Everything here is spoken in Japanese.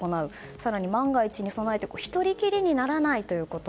更に万が一に備えて１人きりにならないということ。